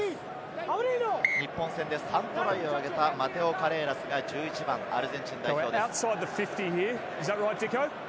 日本戦で３トライをあげたマテオ・カレーラスが１１番、アルゼンチン代表です。